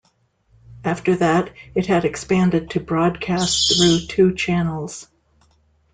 After that, it had expanded to broadcast through two channels.